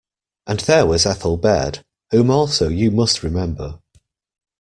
And there was Ethel Baird, whom also you must remember.